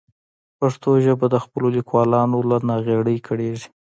پښتو ژبه د خپلو لیکوالانو له ناغېړۍ کړېږي.